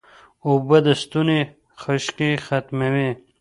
اوبه د ستوني خشکي ختموي